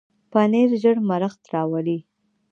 پنېر ژر مړښت راولي.